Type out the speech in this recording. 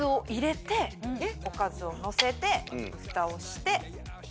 おかずをのせてフタをして。